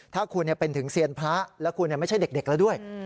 ถ้าคุณเป็นถึงเซียนพระแล้วคุณไม่ใช่เด็กแล้วด้วย